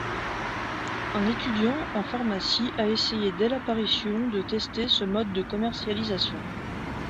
Un étudiant en pharmacie a essayé dès l'apparition de tester ce mode de commercialisation.